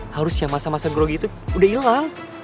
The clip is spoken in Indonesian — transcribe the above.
harusnya masa masa grogi itu udah hilang